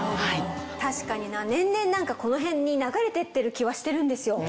確かに年々この辺に流れてってる気はしてるんですよ。